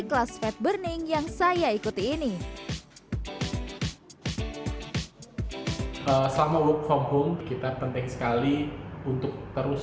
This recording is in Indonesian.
kelas fed burning yang saya ikuti ini selama work from home kita penting sekali untuk terus